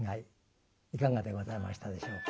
いかがでございましたでしょうか。